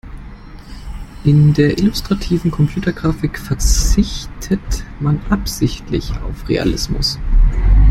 In der illustrativen Computergrafik verzichtet man absichtlich auf Realismus.